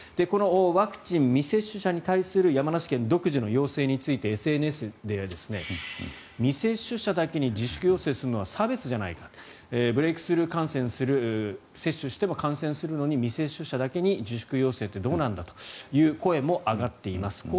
このワクチン未接種者に対する山梨県独自の要請についてＳＮＳでは未接種者だけに自粛要請するのは差別じゃないかブレークスルー感染する接種しても感染するのに未接種者だけに自粛要請ってどうなんだという声も上がっています。